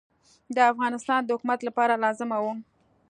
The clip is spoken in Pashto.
د افغانستان د حکومت لپاره لازمه وه.